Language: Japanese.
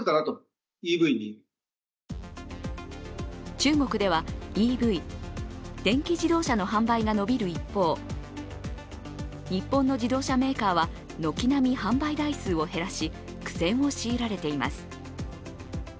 中国ではＥＶ＝電気自動車の販売が伸びる一方日本の自動車メーカーは軒並み販売台数を減らし苦戦を強いられています。